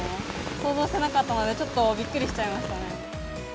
想像してなかったので、ちょっとびっくりしちゃいましたね。